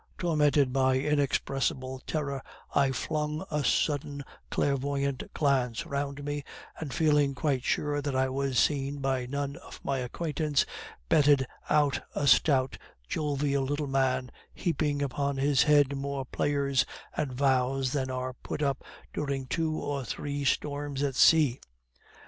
Tormented by inexpressible terror, I flung a sudden clairvoyant glance round me, and feeling quite sure that I was seen by none of my acquaintance, betted on a stout, jovial little man, heaping upon his head more prayers and vows than are put up during two or three storms at sea.